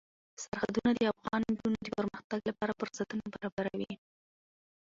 سرحدونه د افغان نجونو د پرمختګ لپاره فرصتونه برابروي.